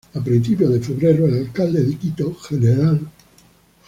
A principios de febrero el Alcalde de Quito, Gral.